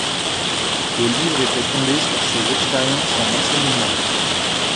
Le livre était fondé sur ses expériences en enseignement.